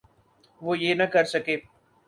وہ یہ نہ کر سکے۔